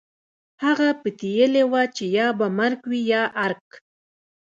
هغه پتېيلې وه چې يا به مرګ وي يا ارګ.